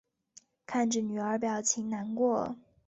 看着女儿表情难过